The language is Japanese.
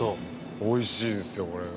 美味しいんですよこれが。